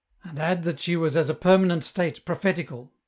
" And add that she was as a permanent state, prophetical!"